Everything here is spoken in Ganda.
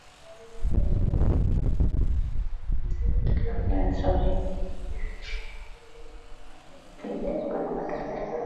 Omuntu bw'alumwanga enjala, alyenga eka; okukuŋŋaana kwammwe kulemenga okuba okw'ensobi.